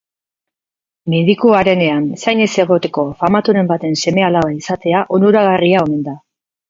Medikuarenean zain ez egoteko famaturen baten seme-alaba izatea onuragarria omen da.